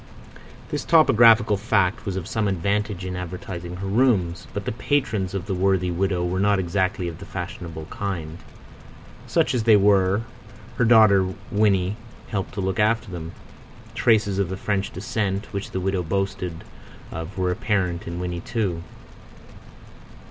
This topographical fact was of some advantage in advertising her rooms; but the patrons of the worthy widow were not exactly of the fashionable kind. Such as they were, her daughter Winnie helped to look after them. Traces of the French descent which the widow boasted of were apparent in Winnie too.